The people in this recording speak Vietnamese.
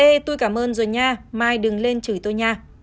ê tôi cảm ơn rồi nha mai đừng lên chửi tôi nha